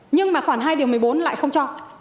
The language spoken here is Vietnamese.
nhưng mà khoảng hai điều một mươi bốn lại không cho